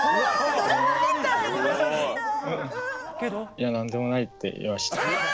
「いや何でもない」って言いました。